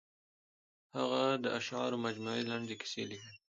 هغه د اشعارو مجموعې، لنډې کیسې لیکلي.